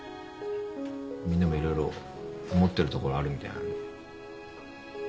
みんなもいろいろ思ってるところあるみたいなんで。